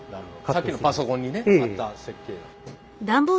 さっきのパソコンにねあった設計図。